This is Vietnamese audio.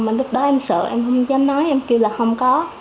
mà lúc đó em sợ em không dám nói em kia là không có